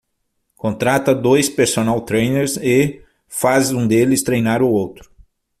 Contrata dois personal trainers e faz um deles treinar o outro.